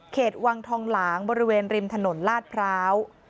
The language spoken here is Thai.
วังทองหลางบริเวณริมถนนลาดพร้าว